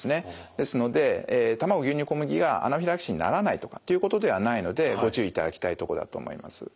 ですので卵牛乳小麦がアナフィラキシーにならないとかっていうことではないのでご注意いただきたいとこだと思います。